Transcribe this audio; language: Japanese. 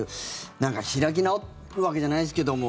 なんか開き直るわけじゃないですけども。